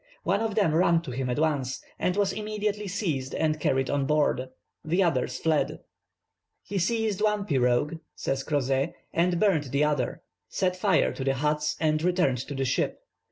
One of them ran to him at once, and was immediately seized and carried on board. The others fled. "He seized one pirogue," says Crozet, "and burnt the other; set fire to the huts and returned to the ship.